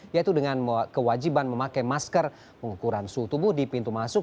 yaitu dengan kewajiban memakai masker pengukuran suhu tubuh di pintu masuk